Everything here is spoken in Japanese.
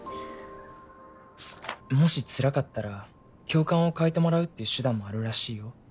もしつらかったら教官を替えてもらうっていう手段もあるらしいよ。